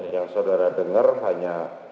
yang saudara denger hanya